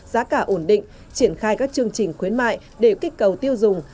giá cả ổn định triển khai các chương trình khuyến mại để kích cầu tiêu dùng